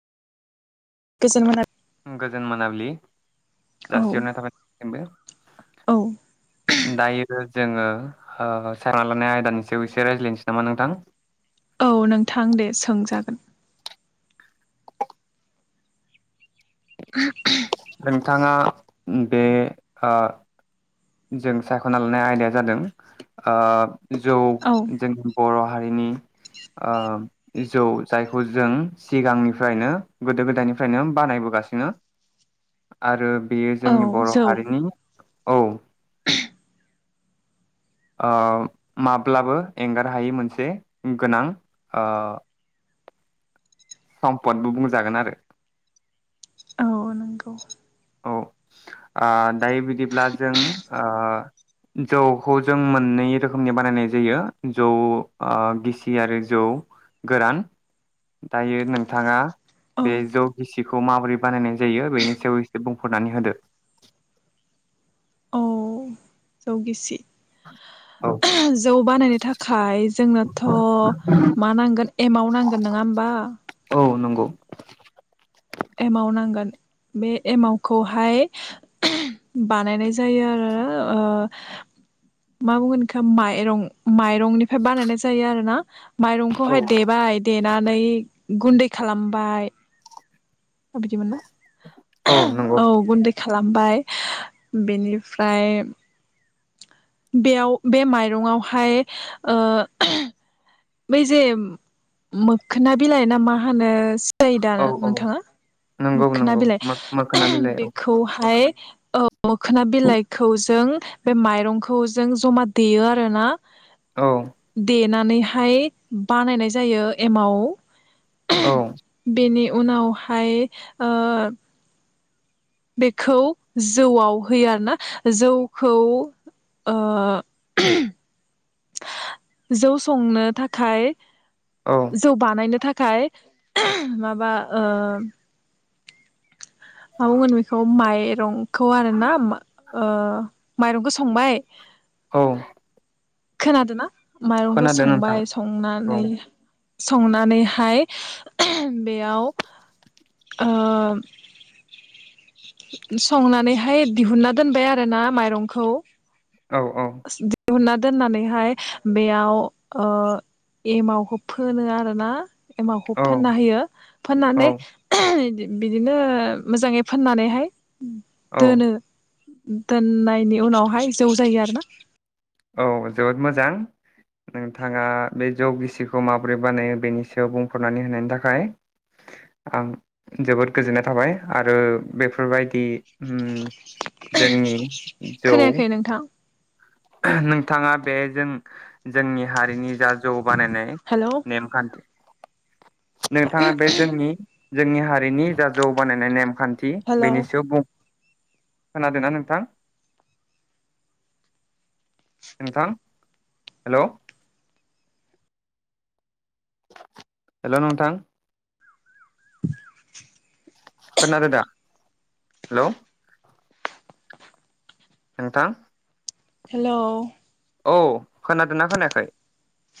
गोजोन मोनाबिलि जोन मोनाबिलि जाासिहरनाय थाबाय औ [unintelligible] दायो जोङो सारना लानाय आयदानि सायाव एसे रायज्लायनोसै नामा नोंथां औ नोंथां दे सोंजागोन [unintelligible] नोंथाङा बे ओ जों सायख'ना लानाय आयदाया जादों जौ औ जों [unintelligible] बर' हारिनि ओ जौ जायखौ जों सिगांनिफ्रायनो गोदो गोदायनिफ्रायनो बानायबोगासिनो आरो बेयो औ जोंनि बर' जौ हारिनि औ ओ माब्लाबो एंगार हायि मोनसे गोनां सम्पदबो बुंजागोन आरो औ नंगौ औ ओ दायो बिदिब्ला जों जौखौ जों मोननै रोखोमनि बानायनाय जायो जौ गिसि आरो जौ गोरान दायो नोंथाङा औ बे जौ गिसिखौ माबोरै बानायनाय जायो बेनि सायाव एसे बुंफोर'नानै होदो औ जौ गिसि औ जौ बानायनो थाखाय जोंनोथ' मा नांगोन एमाव नांगोन नङा होमबा नंगौ औ एमाव नांगोन बे एमावखौहाय बानायनाय जायो आरो ओ मा बुंगोन माइरं माइरंनिफ्राय बानायनाय जायो आरोना माइरंखौहाय औ देबाय देनानै गुन्दै खालामबाय अ बिदिमोन नंगौ ना औ गुन्दै खालामबाय बेनिफ्राय बेयाव बे माइरंआवहाय ओ बै जे मोखोना बिलाइ ना मा होनो सि नायो दा औ औ नोंथाङा नंगौ मोखोना नंगौ बिलाइ मोखोना बिलाइ औ बेखौहाय औ मोखोना बिलाइखौ जों बे माइरंखौ जों जमा देयो आरोना औ दे नानै हाय बानायनाय जायो एमाव औ बेनि उनावहाय ओ बेखौ जौआव होयो आरोना जौखौ ओ जौ संनो थाखाय औ जौ बानायनो थाख खाय माबा ओ मा बुंगोन बेखौ माइ एरं खौ आरोना मा ओ माइरंखो संबाय औ खोनादोना माइरंखो खोनादों नोंथां संबाय औ संनानै संनानैहाय बेयाव ओ [inaudible] संनानैहाय दिहुनना दोनबाय आरो ना माइरंखौ औ औ हुनना दोननानैहाय बेयाव ओ एमावखौ फोनो आरो ना एमावखौ औ फोनना होयो औ फोननानै इदि बिदिनो मोजाङै फोननानैहाय औ दोनो दोननायनि उनावहाय जौ जायो आरोना औ जोबोद मोजां नोंथाङा बे जौ गिसिखौ माबोरै बानायो बेनि सायाव बुंफोर'नानै होनायनि थाखाय आं जोबोद गोजोननाय थाबाय आरो बेफोरबायदि उम जोंनि जौ खोनायाखै नोंथां नोंथाङा बेजों जोंनि हारिनि जा जौ बानायनाय हेलौ नेमखान्थि नोंथाङा बे जोंनि जोंनि हारि रिनि जा जौ बानायनाय नेमखान्थि हेलौ बेनि सायाव बुं खोनादोंना नोंथां नोंथां हेल' हेल' नोंथां [inaudible] खोनादो हेल' नोंथां हेल' औ खोनादोंना खोनायाखै